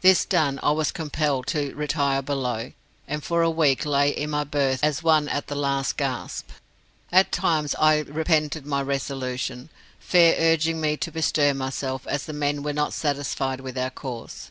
This done, I was compelled to retire below, and for a week lay in my berth as one at the last gasp. At times I repented my resolution, Fair urging me to bestir myself, as the men were not satisfied with our course.